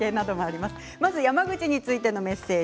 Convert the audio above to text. まずは山口についてのメッセージ。